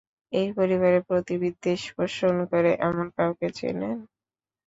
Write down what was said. এই পরিবারের প্রতি বিদ্বেষ পোষণ করে এমন কাউকে চেনেন?